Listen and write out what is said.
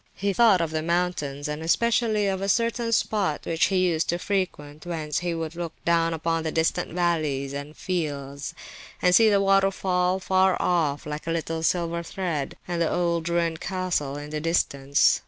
He thought of the mountains—and especially of a certain spot which he used to frequent, whence he would look down upon the distant valleys and fields, and see the waterfall, far off, like a little silver thread, and the old ruined castle in the distance.